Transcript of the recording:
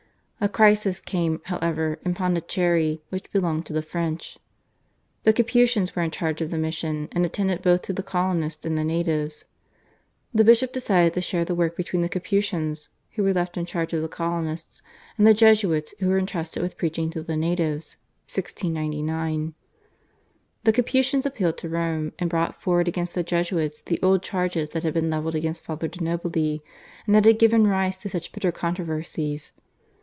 A crisis came, however, in Pondicherry which belonged to the French. The Capuchins were in charge of the mission, and attended both to the colonists and the natives. The bishop decided to share the work between the Capuchins who were left in charge of the colonists, and the Jesuits who were entrusted with preaching to the natives (1699). The Capuchins appealed to Rome, and brought forward against the Jesuits the old charges that had been levelled against Father de' Nobili, and that had given rise to such bitter controversies.